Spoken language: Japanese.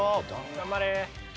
頑張れ！